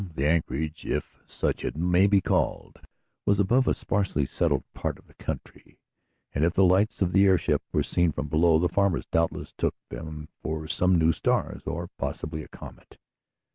The "anchorage" if such it may be called, was above a sparsely settled part of the country, and if the lights of the airship were seen from below, the farmers doubtless took them for some new stars or, possibly, a comet.